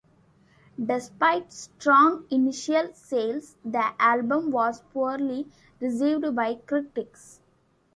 Despite strong initial sales, the album was poorly received by critics.